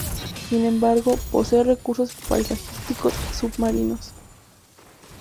Sin embargo, posee recursos paisajísticos submarinos.